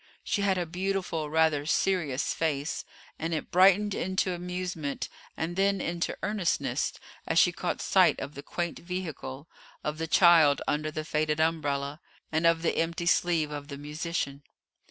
She had a beautiful, rather serious face, and it brightened into amusement, and then into earnestness, as she caught sight of the quaint vehicle, of the child under the faded umbrella, and of the empty sleeve of the musician.